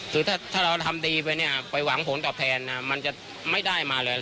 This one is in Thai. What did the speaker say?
คือถ้าเราทำดีไปเนี่ยไปหวังผลตอบแทนมันจะไม่ได้มาเลย